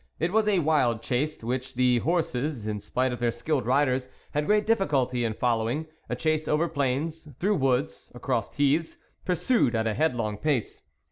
It was a wild chase, which the horses, in spite of their skilled riders, had great difficulty in following, a chase over plains, through woods, across heaths, pursued at a headlong pace.